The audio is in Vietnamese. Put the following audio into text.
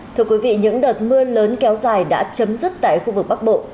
thưa quý vị những đợt mưa lớn kéo dài đã chấm dứt tại khu vực bắc bộ